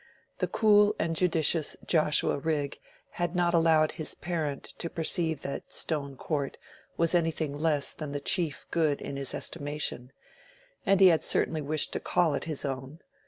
The cool and judicious Joshua Rigg had not allowed his parent to perceive that Stone Court was anything less than the chief good in his estimation, and he had certainly wished to call it his own.